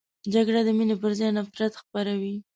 جګړه د مینې پر ځای نفرت خپروي